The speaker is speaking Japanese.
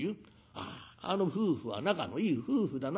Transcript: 『あああの夫婦は仲のいい夫婦だな』